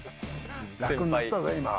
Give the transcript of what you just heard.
楽になったぜ、今は。